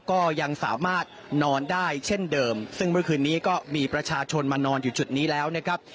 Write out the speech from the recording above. ก็ยังสามารถนอนได้เช่นเดิมซึ่งเมื่อคืนนี้ก็มีประชาชนมานอนอยู่จุดนี้แล้วนะครับ